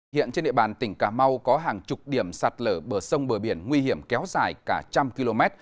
hiện trên địa bàn tỉnh cà mau có hàng chục điểm sạt lở bờ sông bờ biển nguy hiểm kéo dài cả trăm km